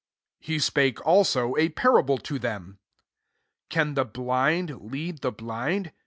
*' 39 He spake also a parable to em; <<Can the blind lead the ind?